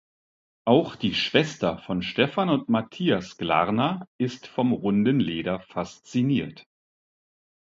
Auch die Schwester von Stefan und Matthias Glarner ist vom runden Leder fasziniert.